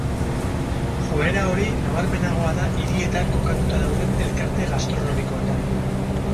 Joera hori nabarmenago da hirietan kokatuta dauden elkarte gastronomikoetan.